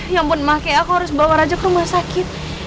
ya ampun pakai aku harus bawa raja ke rumah sakit